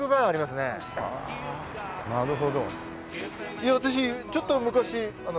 いや私ちょっと昔あの。